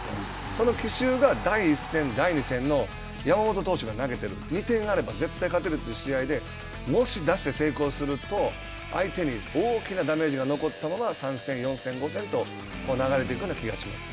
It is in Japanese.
その奇襲が第１戦、第２戦の山本投手が投げてる２点あれば絶対勝てるという試合でもし出して成功すると、相手に大きなダメージが残ったまま３戦、４戦、５戦と流れていくよ